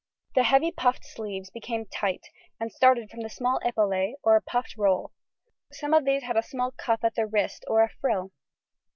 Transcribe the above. The heavy puffed sleeves became tight and started from a small epaulet or puffed roll; some of these had a small cuff at the wrist or a frill.